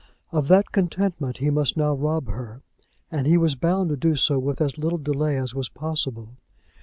Of that contentment he must now rob her, and he was bound to do so with as little delay as was possible.